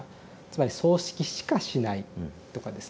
つまり「葬式しかしない」とかですね